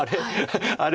あれ？